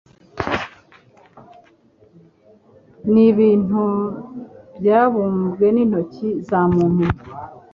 ni ibintu byabumbwe n’intoki za muntu